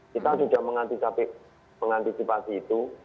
kita sudah mengantisipasi itu